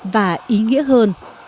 và ý nghĩa hơn